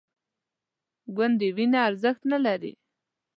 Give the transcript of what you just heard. ګوندې وینه ارزښت نه لري